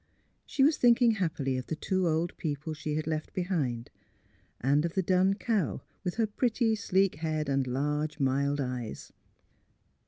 She was thinking happily of the two old people she had left behind, and of the dun cow, with her pretty sleek head and large mild eyes.